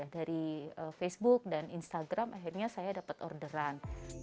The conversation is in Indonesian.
dari facebook dan instagram akhirnya saya dapat orderan